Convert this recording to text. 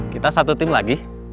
kita satu tim lagi